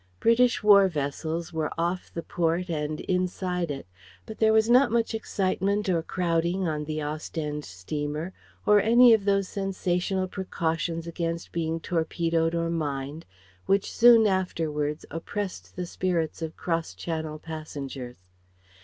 British war vessels were off the port and inside it. But there was not much excitement or crowding on the Ostende steamer or any of those sensational precautions against being torpedoed or mined, which soon afterwards oppressed the spirits of cross Channel passengers.